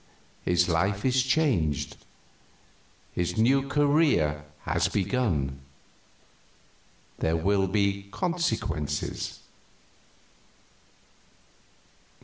His life is changed, his new career has begun. There will be consequences."